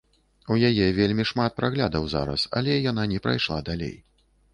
У яе вельмі шмат праглядаў зараз, але яна не прайшла далей.